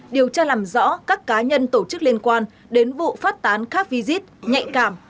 điều tra làm rõ các cá nhân tổ chức liên quan đến vụ phát tán khắc vi giết nhạy cảm